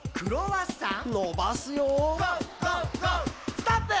「ストップ！」